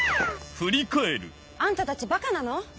・あんたたちばかなの？